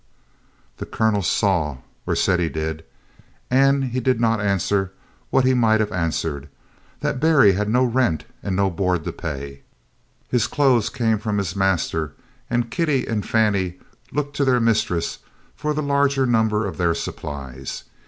The Colonel saw, or said he did. And he did not answer what he might have answered, that Berry had no rent and no board to pay. His clothes came from his master, and Kitty and Fannie looked to their mistress for the larger number of their supplies.